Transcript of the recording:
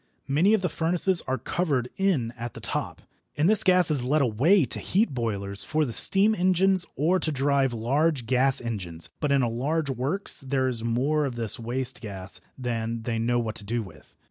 Many of the furnaces are covered in at the top, and this gas is led away to heat boilers for the steam engines or to drive large gas engines, but in a large works there is more of this waste gas than they know what to do with.